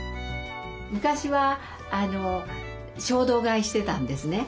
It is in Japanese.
昔は衝動買いしてたんですね。